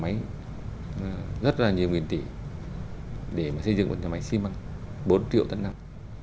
máy rất là nhiều nguyên tỷ để xây dựng một nhà máy xi măng bốn triệu tấn năm